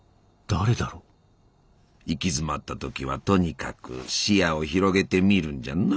行き詰まった時はとにかく視野を広げてみるんじゃな。